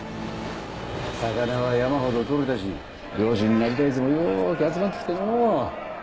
魚は山ほど取れたし漁師になりたいヤツもようけ集まって来てのう。